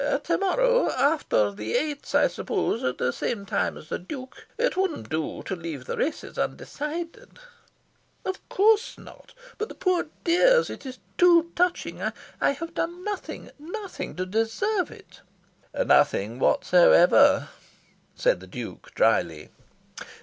"To morrow. After the Eights, I suppose; at the same time as the Duke. It wouldn't do to leave the races undecided." "Of COURSE not. But the poor dears! It is too touching! I have done nothing, nothing to deserve it." "Nothing whatsoever," said the Duke drily.